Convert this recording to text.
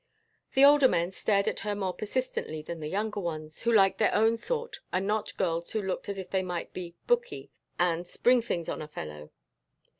The older men stared at her more persistently than the younger ones, who liked their own sort and not girls who looked as if they might be "booky" and "spring things on a fellow."